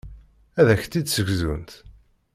Ad ak-tt-id-ssegzunt.